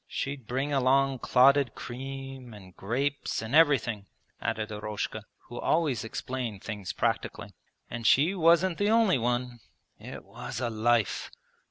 She'd bring along clotted cream and grapes and everything,' added Eroshka (who always explained things practically), 'and she wasn't the only one. It was a life!'